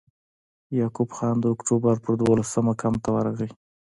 یعقوب خان د اکټوبر پر دولسمه کمپ ته ورغی.